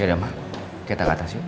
ya udah ma kita ke atas yuk